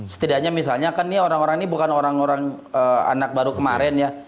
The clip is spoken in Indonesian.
setidaknya misalnya kan ini orang orang ini bukan orang orang anak baru kemarin ya